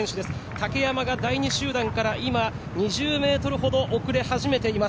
竹山が第２集団から今、２０ｍほど遅れ始めています。